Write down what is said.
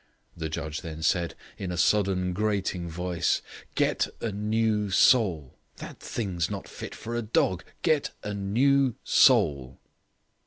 The judge then said, in a sudden, grating voice: "Get a new soul. That thing's not fit for a dog. Get a new soul."